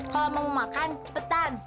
kalau mau makan cepetan